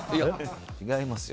違いますよ。